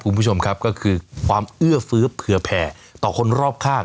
คุณผู้ชมครับก็คือความเอื้อฟื้อเผื่อแผ่ต่อคนรอบข้าง